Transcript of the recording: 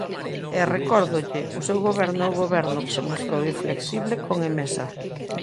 E, recórdolle, o seu goberno é o goberno que se mostrou inflexible con Emesa.